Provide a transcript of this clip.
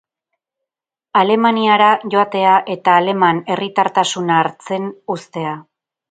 Alemaniara joatea eta aleman herritartasuna hartzen uztea.